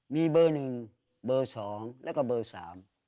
มีเบอร์หนึ่งเบอร์สองแล้วก็เบอร์สาม